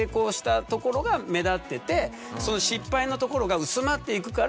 「失敗のところが薄まっていくから」。